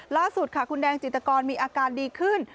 ล่าสุดค่ะคุณแดงจิตกรมีอาการดีขึ้น